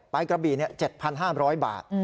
กระบี่๗๕๐๐บาท